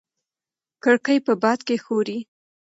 کړکۍ په باد کې ښوري.